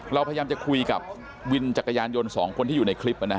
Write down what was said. เราพยายามจะคุยกับวินจักรยานยนต์๒คนที่อยู่ในคลิป